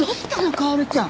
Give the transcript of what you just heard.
薫ちゃん。